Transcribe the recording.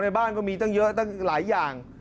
บ้านก็มีตั้งเยอะตั้งหลายอย่าง